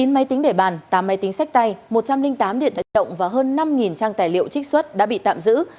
chín máy tính để bàn tám máy tính sách tay một trăm linh tám điện thoại động và hơn năm trang tài liệu trích xuất đã bị tạm giữ